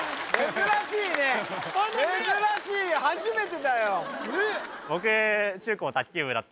珍しい初めてだよえっ